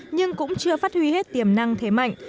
nhưng cũng chưa phát huy hết tiềm năng thế mạnh